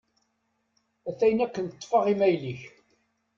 Atan akken ṭṭfeɣ imayl-ik.